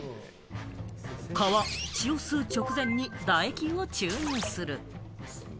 蚊は血を吸う直前に唾液を注入する。